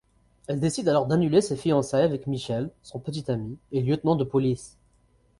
Elle décide alors d'annuler ses fiançailles avec Michael, son petit-ami et lieutenant de police.